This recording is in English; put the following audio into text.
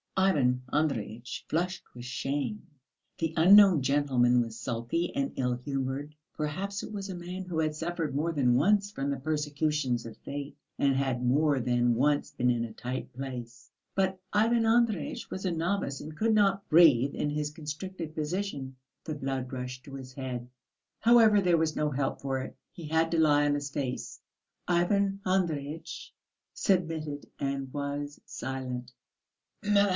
Ivan Andreyitch flushed with shame. The unknown gentleman was sulky and ill humoured. Perhaps it was a man who had suffered more than once from the persecutions of fate, and had more than once been in a tight place; but Ivan Andreyitch was a novice and could not breathe in his constricted position. The blood rushed to his head. However, there was no help for it; he had to lie on his face. Ivan Andreyitch submitted and was silent.